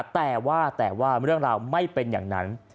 แต่ว่าแต่ว่าเรื่องราวไม่เป็นอย่างนั้น